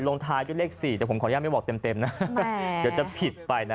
ลงท้ายด้วยเลข๔แต่ผมขออนุญาตไม่บอกเต็มนะเดี๋ยวจะผิดไปนะ